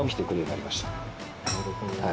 なるほど。